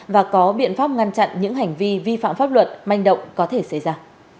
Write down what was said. và có biện pháp ngăn chặn những hành vi vi phạm pháp luật manh động có thể xảy ra